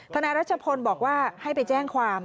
ธนายราชพลประมาณว่าให้ไปแจ้งความ